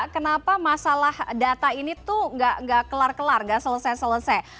kenapa masalah data ini tuh gak kelar kelar gak selesai selesai